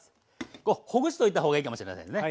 こうほぐしておいた方がいいかもしれませんね。